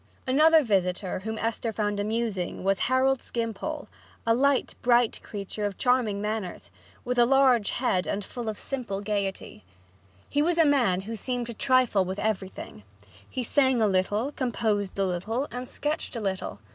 Another visitor whom Esther found amusing was Harold Skimpole, a light, bright creature of charming manners, with a large head and full of simple gaiety. He was a man who seemed to trifle with everything. He sang a little, composed a little and sketched a little.